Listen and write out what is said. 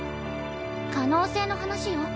可能性の話よ。